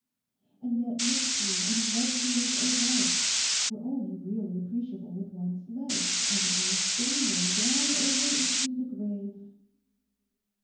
And yet mystery and loveliness alike were only really appreciable with one's legs, as it were, dangling down over into the grave.